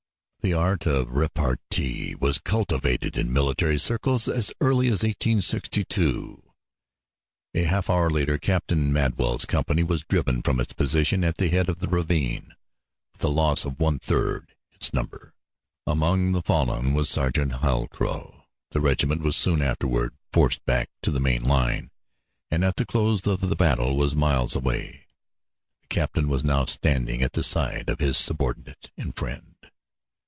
The art of repartee was cultivated in military circles as early as 1862. A half hour later Captain Madwell's company was driven from its position at the head of the ravine, with a loss of one third its number. Among the fallen was Sergeant Halcrow. The regiment was soon afterward forced back to the main line, and at the close of the battle was miles away. The captain was now standing at the side of his subordinate and friend.